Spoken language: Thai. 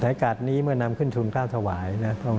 ในโอกาสนี้เมื่อนำขึ้นทุนข้าวถวายนะครับ